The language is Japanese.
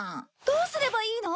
どうすればいいの？